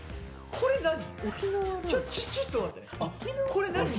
これ何？